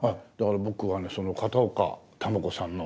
僕はねその片岡球子さんの。